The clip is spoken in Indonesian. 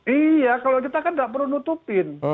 iya kalau kita kan nggak perlu nutupin